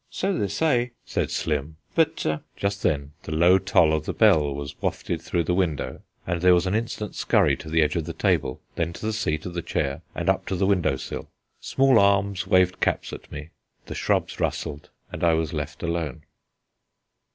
"So they say," said Slim, "but " Just then the low toll of the bell was wafted through the window and there was an instant scurry to the edge of the table, then to the seat of the chair, and up to the window sill; small arms waved caps at me, the shrubs rustled, and I was left alone.